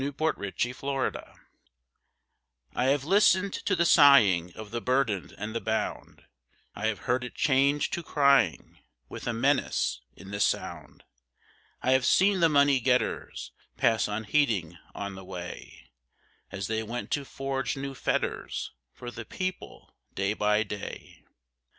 THE HYMN OF THE REPUBLIC I have listened to the sighing of the burdened and the bound, I have heard it change to crying, with a menace in the sound; I have seen the money getters pass unheeding on the way, As they went to forge new fetters for the people day by day.